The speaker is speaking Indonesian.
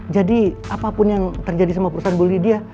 jadi apapun yang terjadi sama perusahaan bulidia